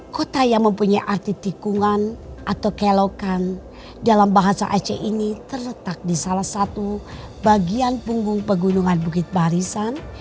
kota yang mempunyai arti tikungan atau kelokan dalam bahasa aceh ini terletak di salah satu bagian punggung pegunungan bukit barisan